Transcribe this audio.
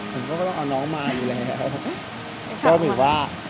ผมก็เอาน้องมาอยู่แล้ว